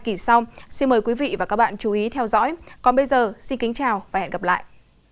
cảm ơn quý vị và các bạn chú ý theo dõi còn bây giờ xin kính chào và hẹn gặp lại